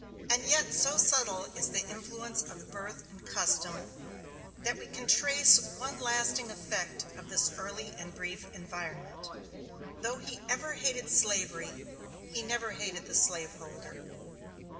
And yet so subtle is the influence of birth and custom, that we can trace one lasting effect of this early and brief environment. Though he ever hated slavery, he never hated the slaveholder.